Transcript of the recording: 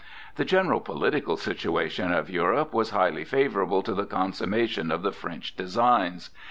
The general political situation of Europe was highly favorable to the consummation of the French designs.